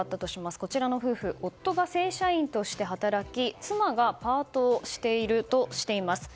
こちらの夫婦夫が正社員として働き妻がパートをしているとしています。